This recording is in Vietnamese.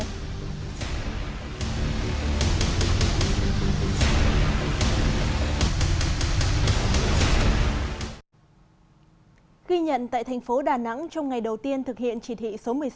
ghi nhận tại thành phố đà nẵng trong ngày đầu tiên thực hiện chỉ thị số một mươi sáu